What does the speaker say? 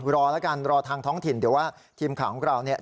รอแล้วกันรอทางท้องถิ่นเดี๋ยวว่าทีมข่าวของเราเนี่ย